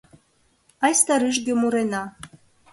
Айста рӱжге мурена